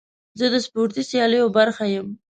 زه د سپورتي سیالیو برخه یم.